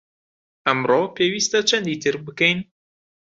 ئەمڕۆ پێویستە چەندی تر بکەین؟